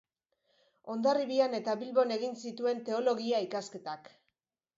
Hondarribian eta Bilbon egin zituen teologia-ikasketak.